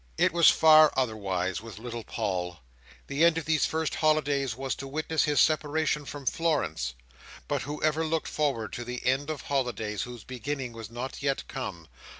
It was far otherwise with little Paul. The end of these first holidays was to witness his separation from Florence, but who ever looked forward to the end of holidays whose beginning was not yet come!